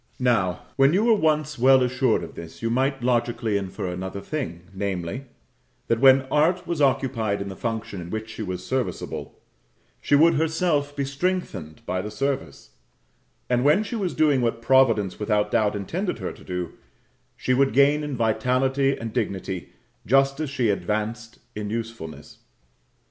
Now, when you were once well assured of this, you might logically infer another thing, namely, that when Art was occupied in the function in which she was serviceable, she would herself be strengthened by the service, and when she was doing what Providence without doubt intended her to do, she would gain in vitality and dignity just as she advanced in usefulness.